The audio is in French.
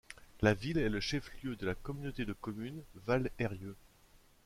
La ville est le chef-lieu de la communauté de communes Val'Eyrieux.